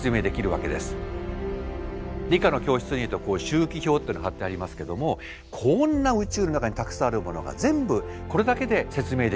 理科の教室に行くと周期表っていうのがはってありますけどもこんな宇宙の中にたくさんあるものが全部これだけで説明できる。